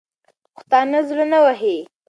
پښتانه زړه نه وهي.